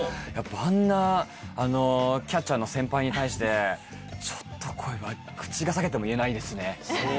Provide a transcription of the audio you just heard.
あんなキャッチャーの先輩に対してちょっとこれは口が裂けても言えないですね。